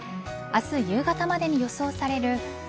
明日夕方までに予想される